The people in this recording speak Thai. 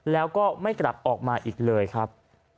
แล้วก็ไม่กลับออกมาอีกเลยครับ